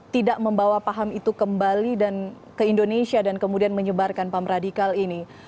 tidak membawa paham itu kembali ke indonesia dan kemudian menyebarkan paham radikal ini